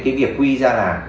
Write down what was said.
cái việc quy ra là